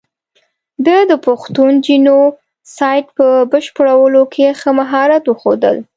ده د پښتون جینو سایډ په بشپړولو کې ښه مهارت وښود.